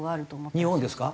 日本ですか？